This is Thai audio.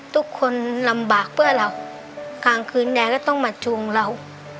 ทุกคนลำบากเพื่อเรากลางคืนยายก็ต้องมาทวงเรา